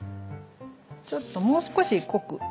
ちょっともう少し濃く。